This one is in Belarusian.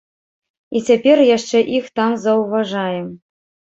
І цяпер яшчэ іх там заўважаем.